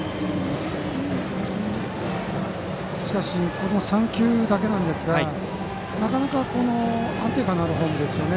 この３球だけですがなかなか安定感があるフォームですね。